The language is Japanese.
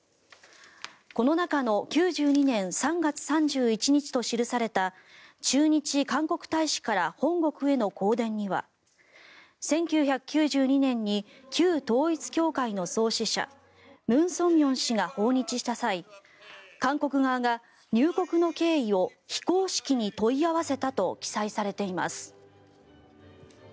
この中の９２年３月３１日と記された駐日韓国大使から本国への公電には１９９２年に旧統一教会の創始者ムン・ソンミョン氏が訪日した際韓国側が入国の経緯を非公式に問い合わせたと記載されています。